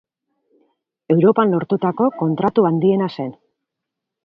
Europan lortutako kontratu handiena zen.